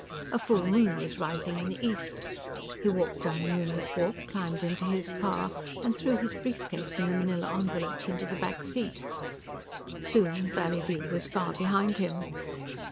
A full moon was rising in the east. He walked down the moonlit walk, climbed into his car and threw his brief case and the manila envelopes into the back seat. Soon, Valleyview was far behind him.